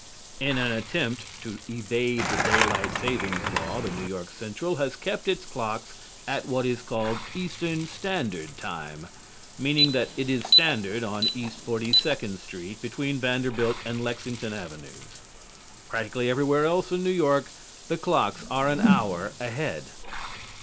In an attempt to evade the Daylight Saving Law the New York Central has kept its clocks at what is called "Eastern Standard Time," meaning that it is standard on East 42d Street between Vanderbilt and Lexington Avenues. Practically everywhere else in New York the clocks are an hour ahead.